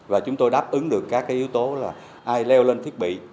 và chúng tôi đáp ứng được các yếu tố là ai leo lên thiết bị